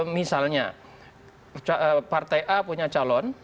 misalnya partai a punya calon